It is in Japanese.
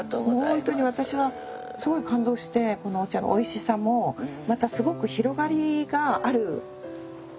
ホントに私はすごい感動してこのお茶のおいしさもまたすごく広がりがあるものだと思うんですよ。